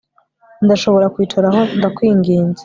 Ndashobora kwicara aho ndakwinginze